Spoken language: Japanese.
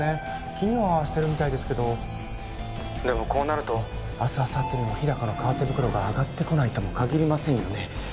気にはしてるみたいですけどでもこうなると明日あさってにも日高の革手袋が上がってこないとも限りませんよね